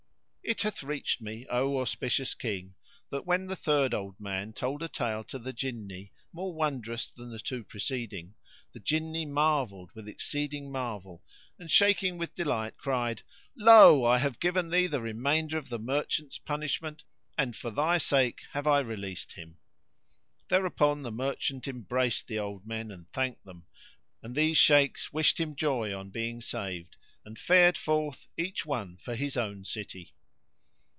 It hath reached me, O auspicious King, that when the third old man told a tale to the Jinni more wondrous than the two preceding, the Jinni marvelled with exceeding marvel, and, shaking with delight, cried, Lo! I have given thee the remainder of the merchant's punishment and for thy sake have I released him." Thereupon the merchant embraced the old men and thanked them, and these Shaykhs wished him joy on being saved and fared forth each one for his own city.